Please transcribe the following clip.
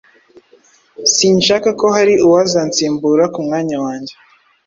Sinshaka ko hari uwazansimbura ku mwanya wange.